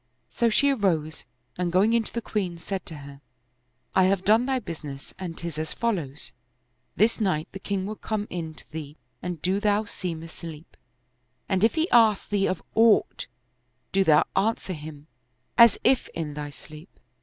So she arose and going in to the queen, said to her, " I have done thy business and 'tis as follows: This night the king will come in to thee and do thou seem asleep ; and if he ask thee of aught, do thou answer him, as if in thy sleep."